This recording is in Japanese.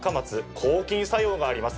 抗菌作用があります。